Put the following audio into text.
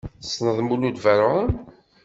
Tessneḍ Mulud Ferɛun?